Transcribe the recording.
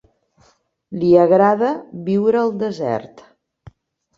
Li agrada viure al desert.